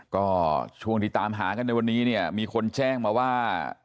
ก็ช่วงที่ตามหากันในวันนี้เนี่ยมีคนแจ้งมาว่า